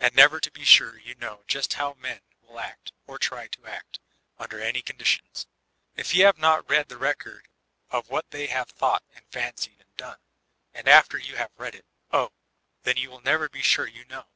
And never be too sure you know just how men will act, or try to act, under any conditions, if you have not read Ae record of what they have thought and fancied and done; and after you have read it, Oh, then you wiD never be sure you know!